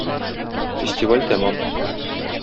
Фестиваль тәмам.